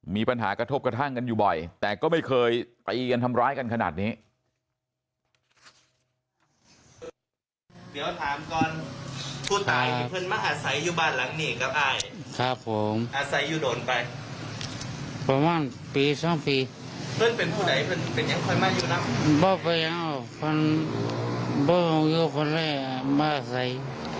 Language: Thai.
มีปัญหากระทบกระทั่งกันอยู่บ่อยแต่ก็ไม่เคยตีกันทำร้ายกันขนาดนี้